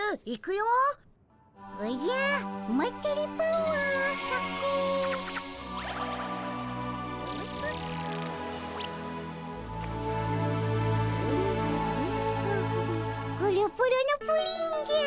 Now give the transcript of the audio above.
プルプルのプリンじゃ。